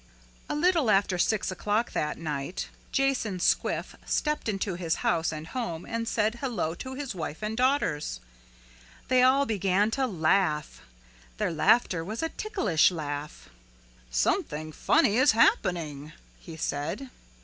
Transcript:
A little after six o'clock that night Jason Squiff stepped into his house and home and said hello to his wife and daughters. They all began to laugh. Their laughter was a ticklish laughter. "Something funny is happening," he said.